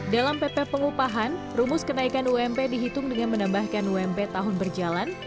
dalam pp pengupahan rumus kenaikan ump dihitung dengan menambahkan ump tahun berjalan